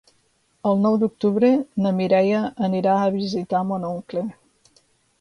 El nou d'octubre na Mireia anirà a visitar mon oncle.